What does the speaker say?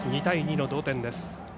２対２の同点です。